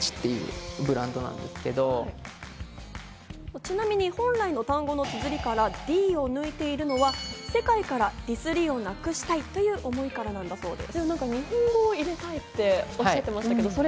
ちなみに本来の単語の綴りから「Ｄ」を抜いているのは世界からディスりをなくしたいという思いからなんだそうです。